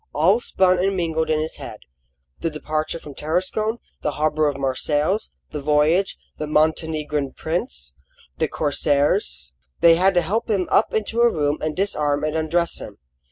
All spun and mingled in his head: the departure from Tarascon, the harbour of Marseilles, the voyage, the Montenegrin prince, the corsairs. They had to help him up into a room and disarm and undress him.